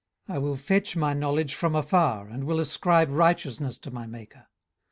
18:036:003 I will fetch my knowledge from afar, and will ascribe righteousness to my Maker.